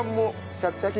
シャキシャキ。